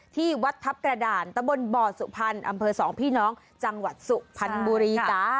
ที่วัดทัพกระด่านตะบลบ่อสุภันธ์อำเภอ๒พี่น้องจังหวัดสุภัณฑ์บุรีตา